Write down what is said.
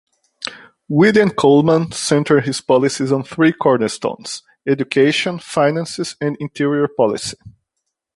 William Coleman centered his policies on three cornerstones: education, finances, and interior policy.